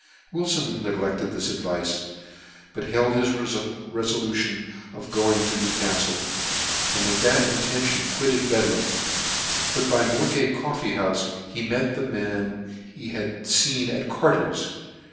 Wilfon neglected this advice; but held his re folution of going to Newcaftle , and with that in tention quitted Bedlam , but by Moorgate coffee houfe he met the men he had icen at Carter's.